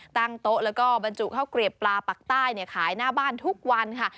ตั้งโต๊ะแล้วก็บรรจุข้าวเกลียบปลาปักใต้ขายหน้าบ้านทุกวันค่ะ